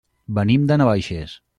Venim de Navaixes.